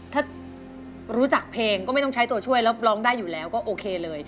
ถ้ารู้จักเพลงก็ไม่ต้องใช้ตัวช่วยแล้วร้องได้อยู่แล้วก็โอเคเลย